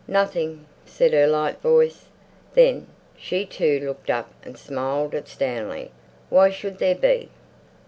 "Nothing," said her light voice. Then she too looked up, and smiled at Stanley. "Why should there be?"